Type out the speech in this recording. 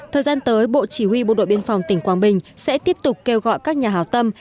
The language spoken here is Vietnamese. thời gian tới bộ chỉ huy bộ đội biên phòng tỉnh quảng bình sẽ tiếp tục kêu gọi các nhà hào tâm